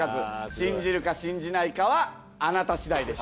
信じるか信じないかはあなた次第です。